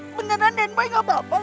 mengenal den boy gak apa apa